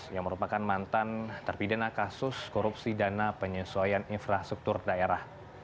yang merupakan mantan terpidana kasus korupsi dana penyesuaian ekonomi